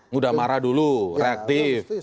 mudah marah dulu reaktif